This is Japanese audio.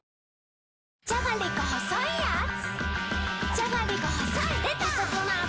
じゃがりこ細いやーつ